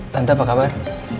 tante apa kabar